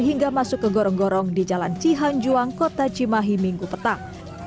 hingga masuk ke gorong gorong di jalan cihanjuang kota cimahi minggu petang